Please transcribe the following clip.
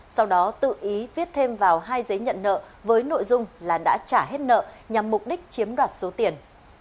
sau đó tự ý viết thêm vào hai giấy nhận nợ với nội dung là đã trả hết nợ nhằm mục đích chiếm đoạt số tiền